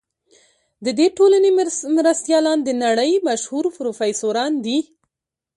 د دې ټولنې مرستیالان د نړۍ مشهور پروفیسوران دي.